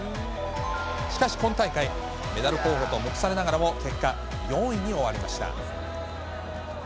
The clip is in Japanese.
しかし今大会、メダル候補と目されながらも、結果４位に終わりました。